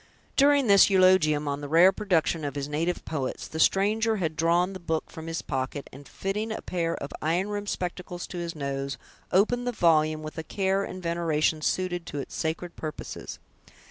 During this eulogium on the rare production of his native poets, the stranger had drawn the book from his pocket, and fitting a pair of iron rimmed spectacles to his nose, opened the volume with a care and veneration suited to its sacred purposes.